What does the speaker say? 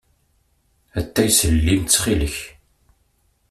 Atay s llim, ttxil-k.